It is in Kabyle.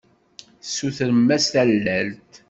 Tessutrem-as tallalt?